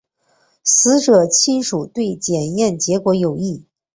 死者亲属对检验结果有异。